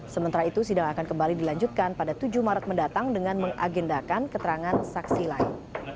sementara itu sidang akan kembali dilanjutkan pada tujuh maret mendatang dengan mengagendakan keterangan saksi lain